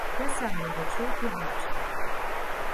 Я сам яго чуў і бачыў.